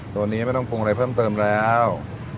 ตัวนี้ไม่ต้องปรุงอะไรเพิ่มเติมแล้ว